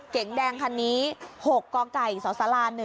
เก๋งแดงคันนี้๖กสศ๑๕๘๙